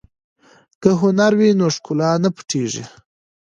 که هنر وي نو ښکلا نه پټیږي.